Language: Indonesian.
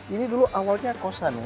ini dulu awalnya kosan ya